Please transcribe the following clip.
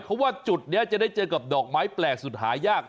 เพราะว่าจุดนี้จะได้เจอกับดอกไม้แปลกสุดหายาก